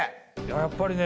やっぱりね